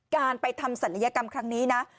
การไปทำศัลยกรรมครั้งนี้นะ